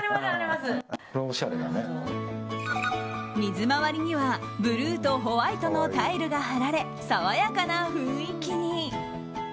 水回りにはブルーとホワイトのタイルが貼られ爽やかな雰囲気に。